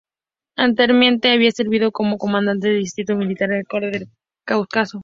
Anteriormente había servido como comandante del distrito militar en el norte del Cáucaso.